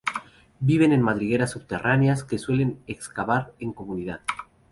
Viven en madrigueras subterráneas, que suelen excavar en comunidad.